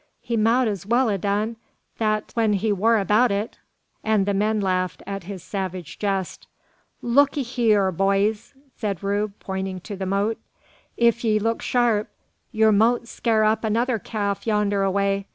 He mout as well 'a done that when he war about it;" and the man laughed at his savage jest. "Look 'ee hyur, boyees!" said Rube, pointing to the motte; "if 'ee look sharp, yur mout scare up another calf yander away!